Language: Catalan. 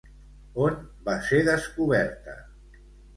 On va ser descoberta?